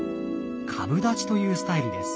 株立ちというスタイルです。